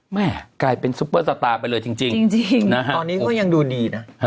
แม่กลายเป็นไปเลยจริงจริงใจครับตอนนี้เขายังดูดีนะ